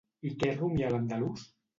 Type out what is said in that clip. I què rumià l'andalús?